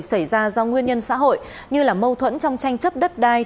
xảy ra do nguyên nhân xã hội như mâu thuẫn trong tranh chấp đất đai